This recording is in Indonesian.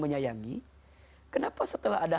menyayangi kenapa setelah ada